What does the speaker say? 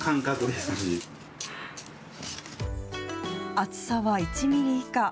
厚さは１ミリ以下。